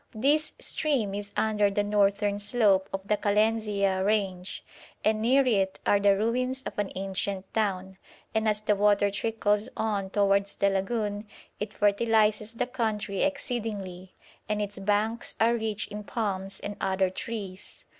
This stream is under the northern slope of the Kalenzia range, and near it are the ruins of an ancient town, and as the water trickles on towards the lagoon it fertilises the country exceedingly, and its banks are rich in palms and other trees.